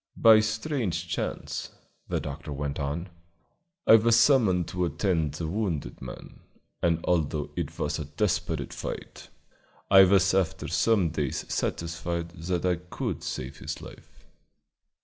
"By a strange chance," the doctor went on, "I was summoned to attend the wounded man, and although it was a desperate fight, I was after some days satisfied that I could save his life."